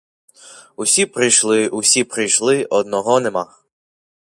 Усі прийшли, усі прийшли, одного нема.